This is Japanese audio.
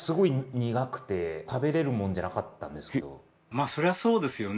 まあそりゃそうですよね。